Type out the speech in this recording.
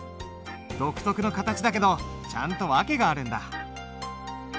独特の形だけどちゃんと訳があるんだ。